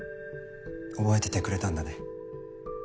覚えててくれたんだね。